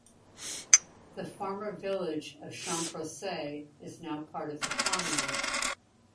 The former village of Champrosay is now part of the commune.